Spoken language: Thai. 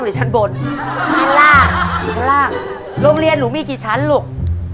ร่องเรียนหนูมีกี่ชั้นลูก